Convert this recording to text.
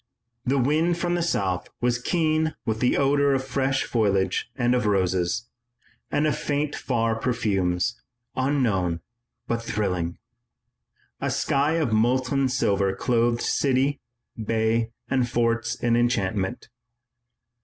The wind from the south was keen with the odor of fresh foliage and of roses, and of faint far perfumes, unknown but thrilling. A sky of molten silver clothed city, bay, and forts in enchantment.